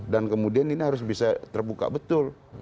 dan kemudian ini harus bisa terbuka betul